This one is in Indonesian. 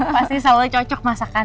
pasti selalu cocok masakan